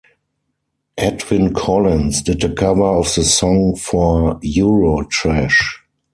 Edwyn Collins did a cover of the song for Eurotrash.